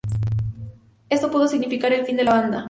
Esto pudo significar el fin de la banda.